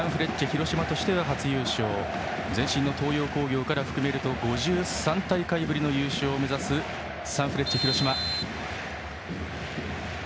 広島としての初優勝前身の東洋工業から含めると５３大会ぶりの優勝を目指すサンフレッチェ広島。